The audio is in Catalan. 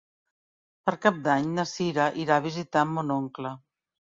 Per Cap d'Any na Sira irà a visitar mon oncle.